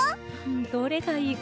どれがいいかしら。